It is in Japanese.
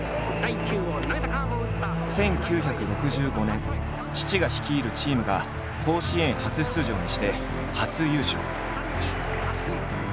１９６５年父が率いるチームが甲子園初出場にして初優勝。